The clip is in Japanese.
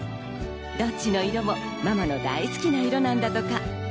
どっちの色もママの大好きな色なんだとか。